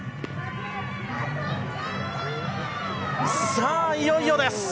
さあいよいよです！